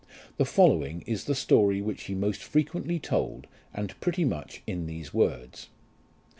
The following is the story which he most frequently told, and pretty much in these words.